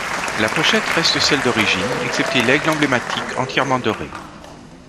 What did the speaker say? La pochette reste celle d'origine, excepté l'aigle emblématique entièrement doré.